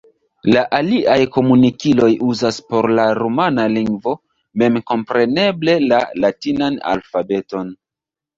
La aliaj komunikiloj uzas por la rumana lingvo memkompreneble la latinan alfabeton.